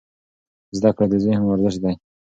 زده کړه د ذهن ورزش دی.